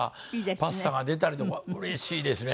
パスタが出たりとかうれしいですね